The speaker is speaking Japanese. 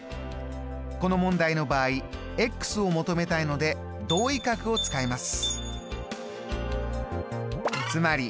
この問題の場合を求めたいので同位角を使います。